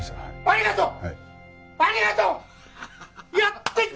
ありがとう！